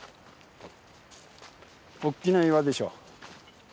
おっきな岩でしょ。